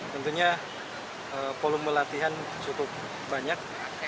tentunya volume latihan cukup banyak